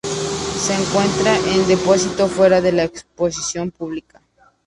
Se encuentra en depósito, fuera de la exposición pública.